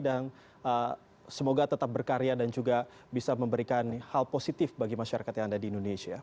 dan semoga tetap berkarya dan juga bisa memberikan hal positif bagi masyarakat yang ada di indonesia